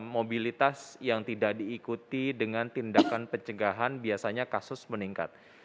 mobilitas yang tidak diikuti dengan tindakan pencegahan biasanya kasus meningkat